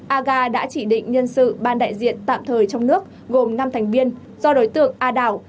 aga đã chỉ định nhân sự ban đại diện tạm thời trong nước gồm năm thành viên do đối tượng a đảo